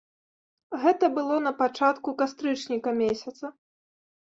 Гэта было на пачатку кастрычніка месяца.